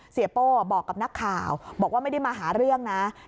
โป้บอกกับนักข่าวบอกว่าไม่ได้มาหาเรื่องนะ